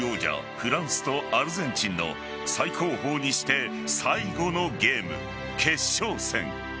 フランスとアルゼンチンの最高峰にして最後のゲーム決勝戦。